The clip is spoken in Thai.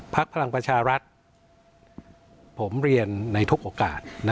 พลังประชารัฐผมเรียนในทุกโอกาส